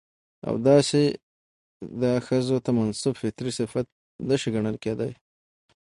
او داسې دا ښځو ته منسوب فطري صفت نه شى ګڼل کېداى.